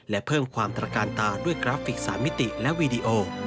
และเพิ่มความตระการตาด้วยกราฟิก๓มิติและวีดีโอ